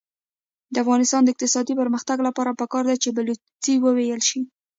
د افغانستان د اقتصادي پرمختګ لپاره پکار ده چې بلوڅي وویل شي.